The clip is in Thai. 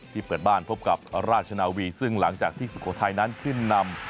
เปิดบ้านพบกับราชนาวีซึ่งหลังจากที่สุโขทัยนั้นขึ้นนำ